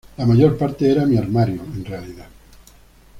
La mayor parte era mi armario, en realidad.